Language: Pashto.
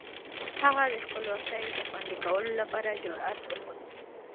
هغه د خپلواکۍ د خوندي کولو لپاره جرئت وښود.